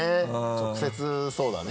直接そうだね。